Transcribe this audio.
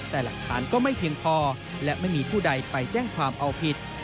แต่หลักฐานก็ไม่เพียงพอและไม่มีผู้ใดไปแจ้งความเอาผิด